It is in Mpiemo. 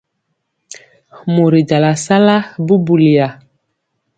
Mori jala sala bubuliya.